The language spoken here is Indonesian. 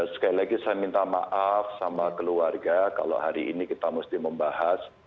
sekali lagi saya minta maaf sama keluarga kalau hari ini kita mesti membahas